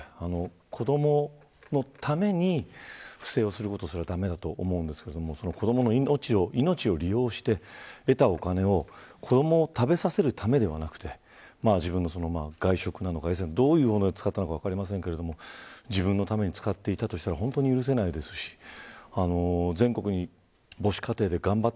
子どものために不正をすることも駄目だと思いますけど子どもの命を利用して得たお金を子どもを食べさせるためではなく自分の外食なのかどういうふうに使ったか分かりませんが自分のために使っていたとしたら本当に許せないですし全国の母子家庭で頑張っ